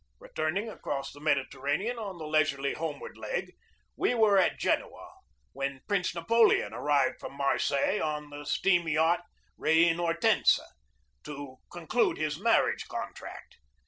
Returning across the Mediterranean on the lei surely homeward leg, we were at Genoa when Prince Napoleon arrived from Marseilles on the steam yacht Reine Hortense, to conclude his marriage con tract.